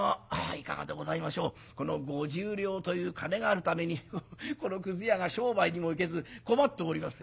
いかがでございましょうこの五十両という金があるためにこのくず屋が商売にも行けず困っております。